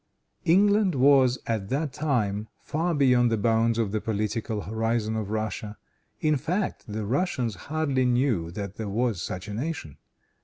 England was, at that time, far beyond the bounds of the political horizon of Russia. In fact, the Russians hardly knew that there was such a nation.